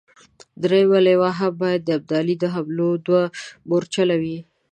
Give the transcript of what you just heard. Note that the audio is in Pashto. درېمه لواء هم باید د ابدالي د حملو مورچل وي.